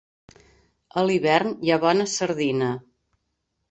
A l'hivern hi ha bona sardina.